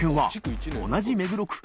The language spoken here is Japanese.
同じ目黒区